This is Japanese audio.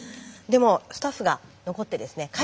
でもスタッフが残ってですね